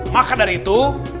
maka dari itu